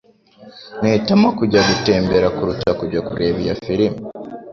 Nahitamo kujya gutembera kuruta kujya kureba iyo firime.